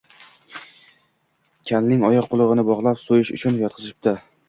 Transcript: Kalning qo‘l-oyog‘ini bog‘lab, so‘yish uchun yotqizishibdi